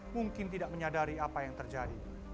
mungkin tidak menyadari apa yang terjadi